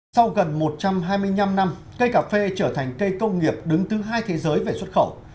sau gần một trăm hai mươi năm năm cây cà phê trở thành cây công nghiệp đứng thứ hai thế giới về xuất khẩu